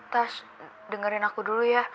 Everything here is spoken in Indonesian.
tas dengerin aku dulu ya